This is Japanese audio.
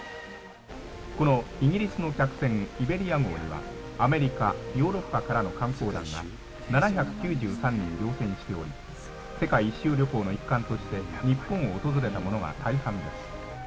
このイギリスの客船、イベリア号には、アメリカ、ヨーロッパからの観光団が７９３人乗船しており、世界一周旅行の一環として日本を訪れた者が大半です。